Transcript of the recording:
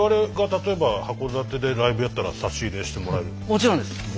もちろんです！